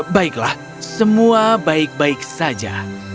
baiklah semua baik baik saja